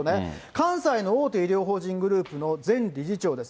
関西の大手医療法人グループの前理事長です。